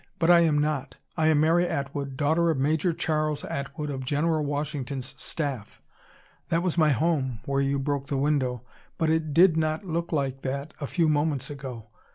But I am not. I am Mary Atwood, daughter of Major Charles Atwood, of General Washington's staff. That was my home, where you broke the window. But it did not look like that a few moments ago.